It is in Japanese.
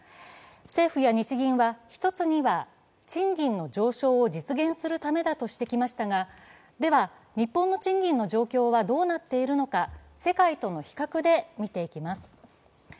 政府や日銀は、一つには賃金の上昇を実現するためだとしてきましたが、では、日本の賃金の状況はどうなっているのか、世界との比較で見ていきます。